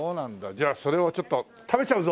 じゃあそれをちょっと食べちゃうぞ！